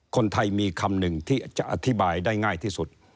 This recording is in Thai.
คนไทยมีคำหนึ่งที่จะอธิบายได้ง่ายที่สุด